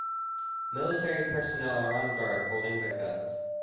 Military personnel are on guard holding their guns.